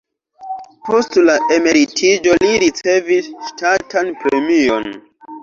Post la emeritiĝo li ricevis ŝtatan premion.